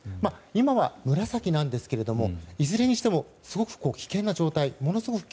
今は、紫なんですがいずれにしてもものすごく危険な状態